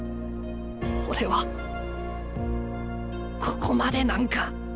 俺はここまでなんか？